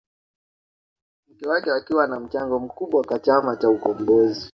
Mke wake akiwa na mchango mkubwa kwa chama cha ukombozi